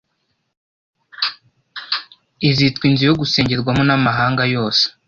izitwa inzu yo gusengerwamo n’amahanga yose